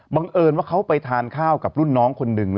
เอิญว่าเขาไปทานข้าวกับรุ่นน้องคนหนึ่ง